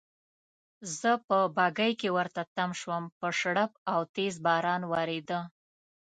زه په بګۍ کې ورته تم شوم، په شړپ او تېز باران وریده.